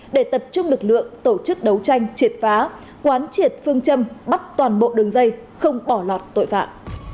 để tập trung lực lượng tổ chức đấu tranh triệt phá quán triệt phương châm bắt toàn bộ đường dây không bỏ lọt tội phạm